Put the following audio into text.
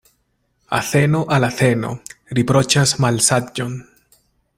Azeno al azeno riproĉas malsaĝon.